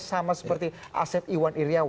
sama seperti asep iwan iryawan